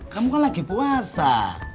kamu kan lagi puasa